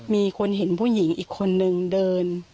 มีคนเห็นผู้หญิงอีกคนนึงเดิน